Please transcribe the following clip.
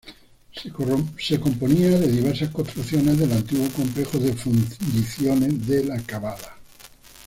Se componía de diversas construcciones del antiguo complejo de fundiciones de La Cavada.